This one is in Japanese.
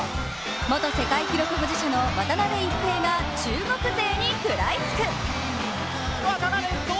元世界記録保持者の渡辺一平が中国勢に食らいつく。